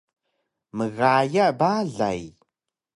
mgaya balay